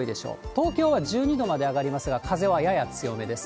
東京は１２度まで上がりますが、風はやや強めです。